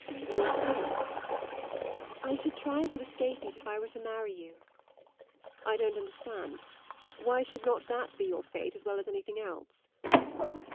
"Your fate?" "I should try to escape it if I were to marry you." "I don't understand. Why should not that be your fate as well as anything else?"